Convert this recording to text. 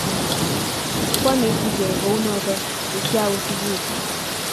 Kwanetkei ko u notok ye kiawe sukul